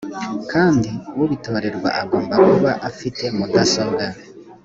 kandi ubitorerwa agomba kuba afite mudasobwa